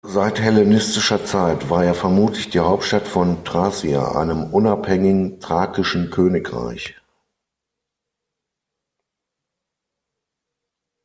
Seit hellenistischer Zeit war er vermutlich die Hauptstadt von "Thracia", einem unabhängigen Thrakischen Königreich.